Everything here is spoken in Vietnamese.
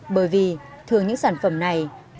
bởi vì thường những sản phẩm này không có trọng lượng